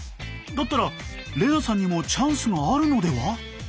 だったら玲那さんにもチャンスがあるのでは！？